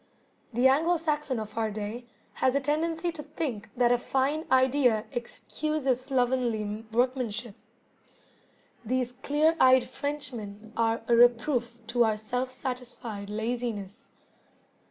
The Anglo Saxon of our day has a tendency to think that a fine idea excuses slovenly workmanship. These clear eyed Frenchmen are a reproof to our self satisfied laziness.